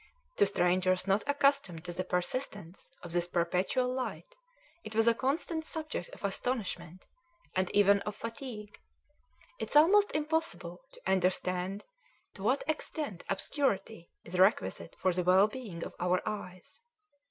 To strangers not accustomed to the persistence of this perpetual light it was a constant subject of astonishment, and even of fatigue; it is almost impossible to understand to what extent obscurity is requisite for the well being of our eyes.